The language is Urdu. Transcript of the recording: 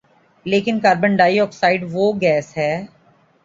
لیکن کاربن ڈائی آکسائیڈ وہ گیس ہے